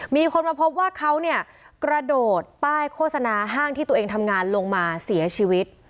มีคนมาพบว่าเขาเนี่ยกระโดดป้ายโฆษณาห้างที่ตัวเองทำงานลงมาเสียชีวิต